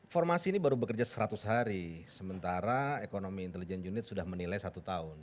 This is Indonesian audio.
formasi ini baru bekerja seratus hari sementara ekonomi intelijen unit sudah menilai satu tahun